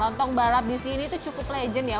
lontong bala pak gendut ini cukup legendaris